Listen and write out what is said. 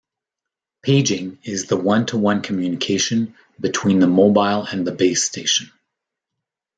"Paging" is the one-to-one communication between the mobile and the base station.